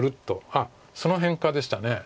あっその変化でした。